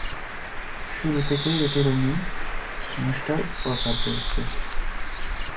শুরু থেকেই এটি রঙ্গিন অনুষ্ঠান সম্প্রচার করছে।